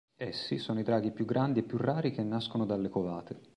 Essi sono i draghi più grandi e più rari che nascono dalle covate.